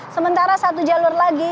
sementara satu jalur lagi